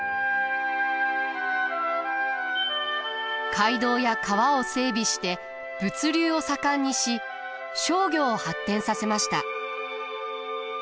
街道や川を整備して物流を盛んにし商業を発展させました。